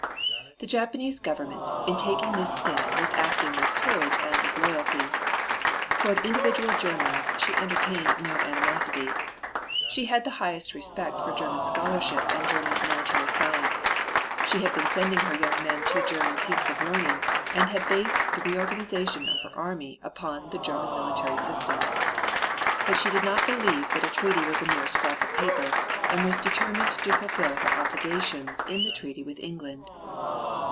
The Japanese Government in taking this stand was acting with courage and with loyalty. Toward individual Germans she entertained no animosity. She had the highest respect for German scholarship and German military science. She had been sending her young men to German seats of learning, and had based the reorganization of her army upon the German military system. But she did not believe that a treaty was a mere "scrap of paper," and was determined to fulfill her obligations in the treaty with England.